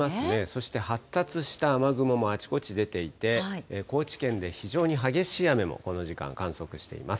そして発達した雨雲もあちこち出ていて、高知県で非常に激しい雨も、この時間、観測しています。